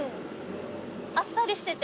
あっさりしてて。